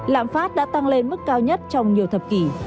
lạm phát đã tăng lên mức cao nhất trong nhiều thập kỷ